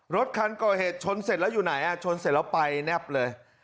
รถคันก่อเหตุชนเสร็จแล้วอยู่ไหนชนเสร็จแล้วไปแนบเลย